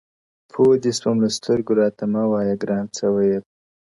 پوه دي سوم له سترګو راته مه وایه ګران څه ویل!!